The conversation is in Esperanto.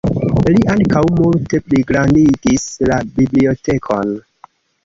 Li ankaŭ multe pligrandigis la bibliotekon.